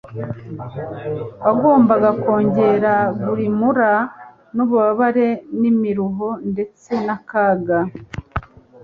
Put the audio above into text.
wagombaga kongera gulmra n'ububabare n'imiruho ndetse n'akaga;